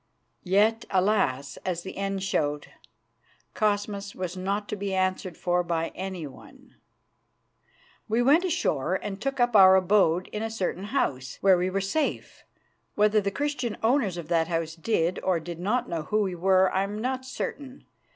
Yet, alas! as the end showed, Cosmas was not to be answered for by anyone. We went ashore and took up our abode in a certain house, where we were safe. Whether the Christian owners of that house did or did not know who we were, I am not certain.